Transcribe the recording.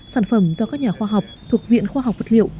sản phẩm do các nhà khoa học thuộc viện khoa học vật liệu